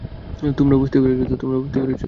তোমরা বুঝতে পেরেছ?